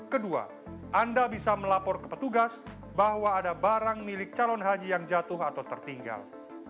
kedua anda bisa melapor ke petugas bahwa ada barang milik calon haji yang jatuh atau tertinggal